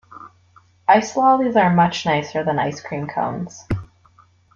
Ice lollies are much nicer than ice cream cones